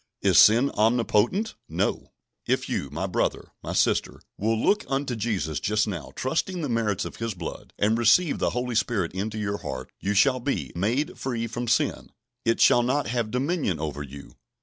Is sin omnipotent? No! If you, my brother, my sister, will look unto Jesus just now, trusting the merits of His blood, and receive the Holy Spirit into your heart, you shall be "made free from sin"; it "shall not have dominion over you."